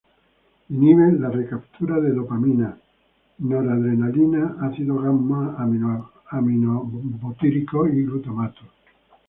Inhibe la recaptura de dopamina, noradrenalina, ácido gamma-aminobutírico y glutamato.